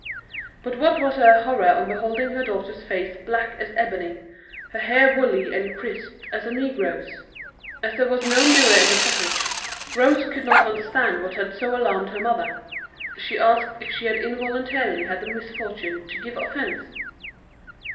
But what was her horror on beholding her daughter's face black as ebony, her hair woolly and crisped like a negro's! As there was no mirror in the cottage, Rose could not understand what had so alarmed her mother; she asked if she had involuntarily had the misfortune to give offence?